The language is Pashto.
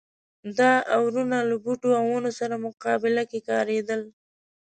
دا اورونه له بوټو او ونو سره مقابله کې کارېدل.